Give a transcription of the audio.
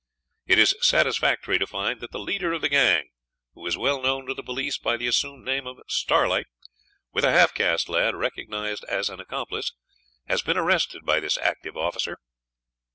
It is satisfactory to find that the leader of the gang, who is well known to the police by the assumed name of 'Starlight', with a half caste lad recognised as an accomplice, has been arrested by this active officer.